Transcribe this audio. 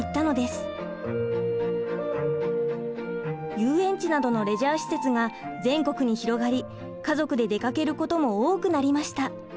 遊園地などのレジャー施設が全国に広がり家族で出かけることも多くなりました。